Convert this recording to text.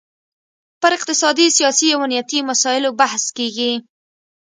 پر اقتصادي، سیاسي او امنیتي مسایلو بحث کیږي